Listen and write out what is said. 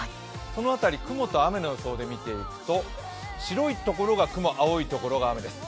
その辺り、雲と雨の予想で見ていくと、白い所が雲、青い所が雨です。